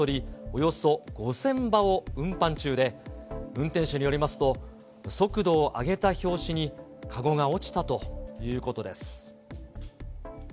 およそ５０００羽を運搬中で、運転手によりますと、速度を上げた拍子に籠が落ちたということです。